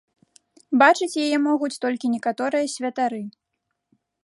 Бачыць яе могуць толькі некаторыя святары.